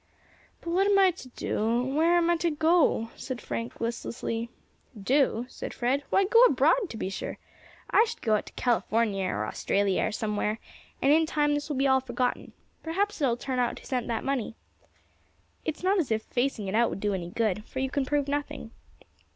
"But what am I to do? where am I to go?" said Frank listlessly. "Do?" said Fred, "why, go abroad to be sure. I should go out to California, or Australia, or somewhere, and in time this will be all forgotten. Perhaps it will turn out who sent that money. It is not as if facing it out would do any good, for you can prove nothing.